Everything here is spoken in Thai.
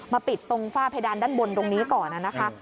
ปิดตรงฝ้าเพดานด้านบนตรงนี้ก่อนนะคะ